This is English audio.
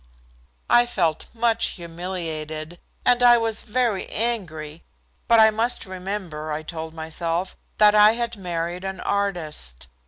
I felt much humiliated, and I was very angry, but I must remember, I told myself, that I had married an artist.